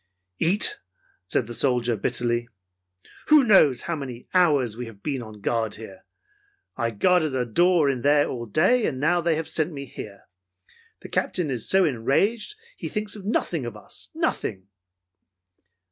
"Eat?" said the soldier bitterly. "Who knows how many hours we have been on guard here? I guarded a door in there all day, and now they have sent me here. The Captain is so enraged that he thinks nothing of us, nothing!"